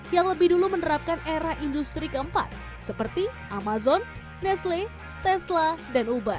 yang lebih dulu menerapkan era industri keempat seperti amazon nesle tesla dan uber